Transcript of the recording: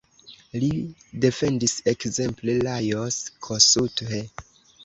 Li defendis ekzemple Lajos Kossuth.